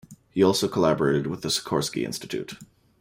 He also collaborated with the Sikorski Institute.